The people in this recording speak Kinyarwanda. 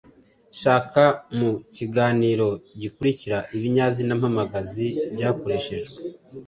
Shaka mu kiganiro gikurikira ibinyazina mpamagazi byakoreshejwe,